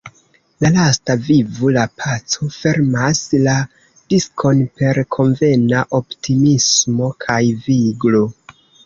La lasta, Vivu la paco fermas la diskon per konvena optimismo kaj viglo.